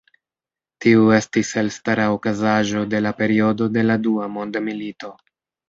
Tiu estis elstara okazaĵo de la periodo de la Dua Mondmilito.